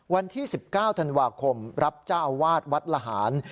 วันที่๑๙ธันวาคมรับเจ้าอาวาสวัดละหาร